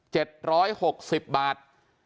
เจ็ดร้อยหกสิบบาท